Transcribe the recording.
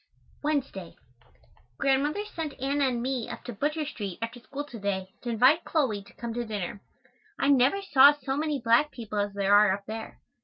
Wednesday. Grandmother sent Anna and me up to Butcher Street after school to day to invite Chloe to come to dinner. I never saw so many black people as there are up there.